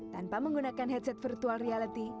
tanpa menggunakan headset virtual reality